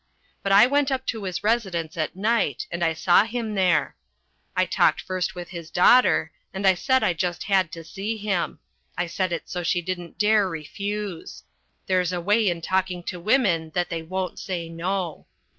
But I went up to his residence at night, and I saw him there. I talked first with his daughter, and I said I just had to see him. I said it so she didn't dare refuse. There's a way in talking to women that they won't say no.